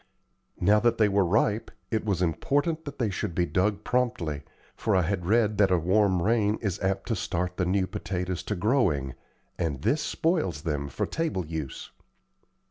Now that they were ripe, it was important that they should be dug promptly, for I had read that a warm rain is apt to start the new potatoes to growing, and this spoils them for table use.